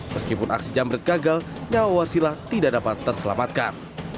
meskipun aksi jamret gagal nyawa wasilah tidak dapat terselamatkan